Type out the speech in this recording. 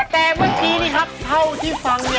แต่เมื่อกี้นี่ครับเท่าที่ฟัง